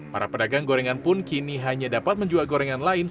para pedagang gorengan pun kini hanya dapat menjual gorengan lain